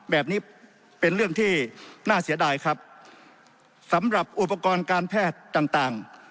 แบบนี้เป็นเรื่องที่น่าเสียดายครับสำหรับอุปกรณ์การแพทย์ต่างต่าง